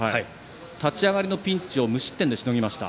立ち上がりのピンチを無失点でしのぎました。